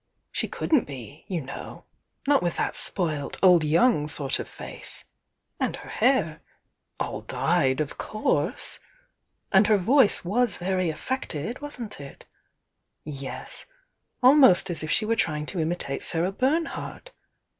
She couldn't be, you Srw°h°lT'*'in''5*5°'l* °W young sort of fice! And her hair! AU dyed, of course! And her voice was very affected, wasn't it? Yes! almost as if she were trying to imitate Sarah Bernhardt!